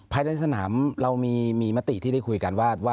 ภายในสนามเรามีมติที่ได้คุยกันว่า